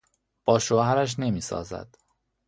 با شوهرش نمیسازد.